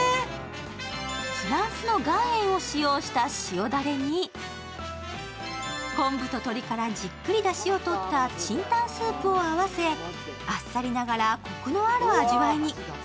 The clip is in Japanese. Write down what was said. フランスの岩塩を使用した塩だれに昆布と鶏からじっくりだしをとった、ちんたんスープを合わせあっさりながらコクのある味わいに。